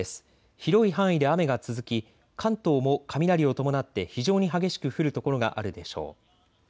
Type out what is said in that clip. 広い範囲で雨が続き関東も雷を伴って非常に激しく降る所があるでしょう。